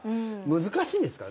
難しいんですか？